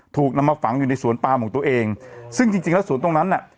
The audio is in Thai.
ถูกนำมาฝังอยู่ในสวนปามของตัวเองซึ่งจริงจริงแล้วสวนตรงนั้นน่ะ